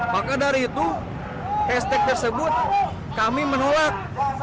maka dari itu hashtag tersebut kami menolak